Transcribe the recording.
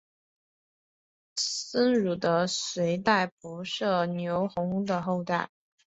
僧孺是隋代仆射牛弘的后代。